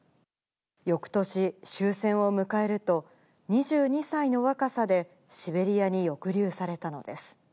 よくとし、終戦を迎えると、２２歳の若さでシベリアに抑留されたのです。